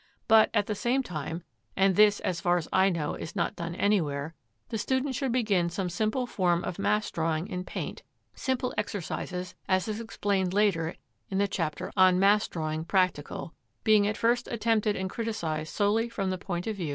But, at the same time (and this, as far as I know, is not done anywhere), the student should begin some simple form of mass drawing in paint, simple exercises, as is explained later in the chapter on Mass Drawing, Practical, being at first attempted and criticised solely from the point of view of tone values.